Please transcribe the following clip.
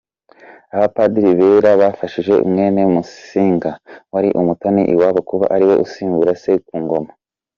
Abapadiri bera bafashije mwene Musinga wari umutoni iwabo kuba ariwe usimbura se ku Ngoma.